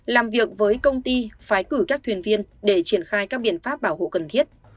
làm việc với công ty phái cử các thuyền viên để triển khai các biện pháp bảo hộ cần thiết